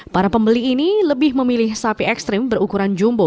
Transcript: para pembeli ini lebih memilih sapi ekstrim berukuran jumbo